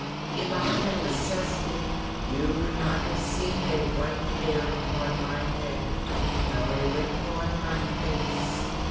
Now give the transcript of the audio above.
If I had possessed it, you would not have seen a white hair upon my head, nor a wrinkle on my face.